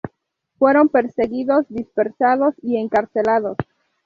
Fueron perseguidos, dispersados y encarcelados.